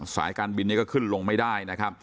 สายการบินนี้ก็ขึ้นลงไม่ได้